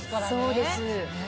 そうです。